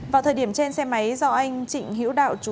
vào thời điểm trên xe máy do anh trịnh hữu đạo